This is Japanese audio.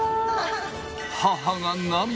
母が涙。